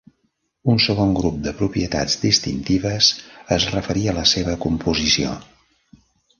Un segon grup de propietats distintives es refereix a la seva "composició".